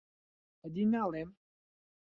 ئەدی ناڵێم